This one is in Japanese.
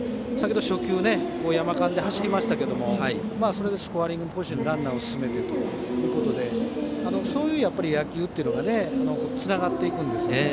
初球、山勘で走りましたけどそれでスコアリングポジションにランナーを進めてということでそういう野球というのがつながっていくんですね。